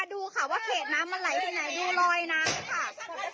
ดูค่ะว่าเขตน้ำมันไหลไปไหนดูลอยน้ำค่ะ